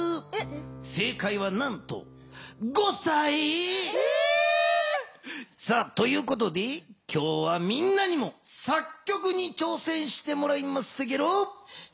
せいかいはなんとということで今日はみんなにも作曲にちょうせんしてもらいますゲロ。